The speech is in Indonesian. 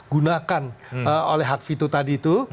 gunakan oleh hak vito tadi itu